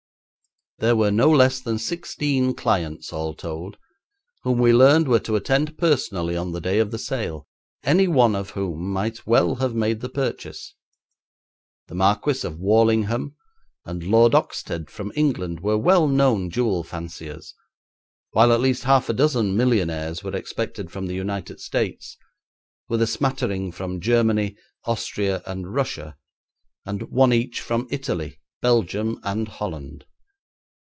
There were no less than sixteen clients all told, whom we learned were to attend personally on the day of the sale, any one of whom might well have made the purchase. The Marquis of Warlingham and Lord Oxtead from England were well known jewel fanciers, while at least half a dozen millionaires were expected from the United States, with a smattering from Germany, Austria, and Russia, and one each from Italy, Belgium, and Holland.